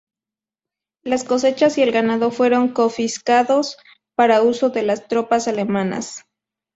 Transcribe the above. Las cosechas y el ganado fueron confiscados para uso de las tropas alemanas.